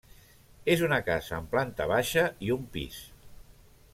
És una casa amb planta baixa i un pis.